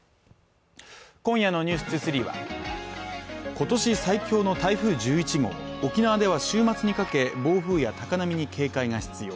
今夜の「ｎｅｗｓ２３」は今年最強の台風１１号沖縄では週末にかけ暴風や高波に警戒が必要